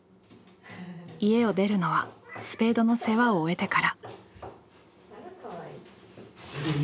家を出るのはスペードの世話を終えてから。